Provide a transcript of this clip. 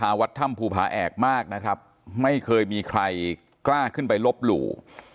วัดถ้ำภูผาแอกมากนะครับไม่เคยมีใครกล้าขึ้นไปลบหลู่